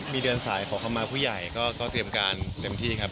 มีเดินสายขอเข้ามาผู้ใหญ่ก็เตรียมการเต็มที่ครับ